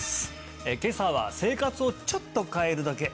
今朝は「生活をちょっと変えるだけ！」